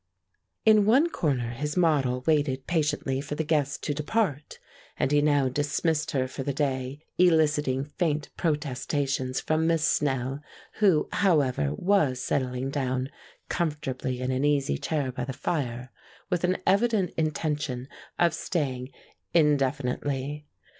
In one corner his model waited patiently for the guests to depart, and he now dismissed her for the day, eliciting faint protestations from Miss Snell, who, however, was settling down comfortably in an easy chair by the fire, with an evident intention of staying indefinitely.